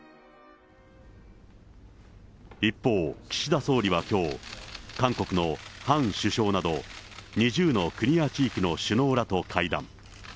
一方、岸田総理はきょう、韓国のハン首相など２０の国や地域の首脳らと会談。